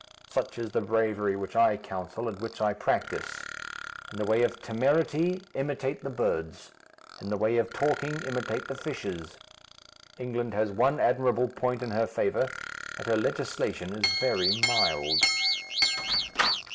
Such is the bravery which I counsel and which I practise. In the way of temerity, imitate the birds; in the way of talking, imitate the fishes. England has one admirable point in her favour, that her legislation is very mild."